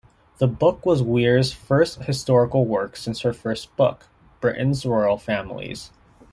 The book was Weir's first historical work since her first book, "Britain's Royal Families".